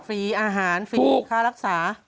รีอาหารฟรีค่ารักษา